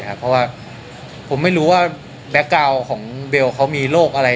เพราะว่าผมไม่รู้ว่าแบ็คกาวน์ของเบลเขามีโรคอะไร